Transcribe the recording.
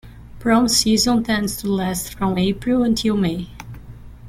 Prom season tends to last from April until May.